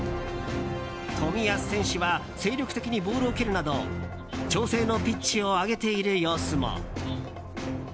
冨安選手は精力的にボールを蹴るなど調整のピッチを上げている様子も。